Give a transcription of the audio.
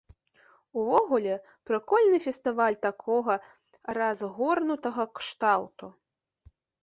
Увогуле, прыкольны фестываль такога разгорнутага кшталту.